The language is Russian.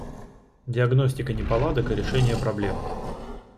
Диагностика неполадок и решение проблем